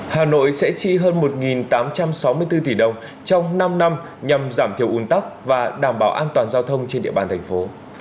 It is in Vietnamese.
hà nội sẽ chi hơn một tám trăm sáu mươi bốn tỷ đồng trong năm năm nhằm giảm thiểu un tắc và đảm bảo an toàn giao thông trên địa bàn thành phố